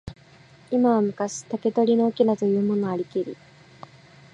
今は昔、竹取の翁というものありけり。